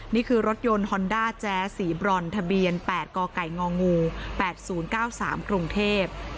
นี่คือรถยนต์ฮอนด้าแจ๊สสีบรอนทะเบียน๘กกง๘๐๙๓กรุงเทพ